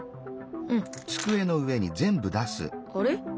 うんあれ？